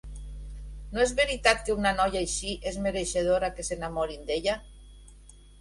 No és veritat que una noia així és mereixedora que s'enamorin d'ella?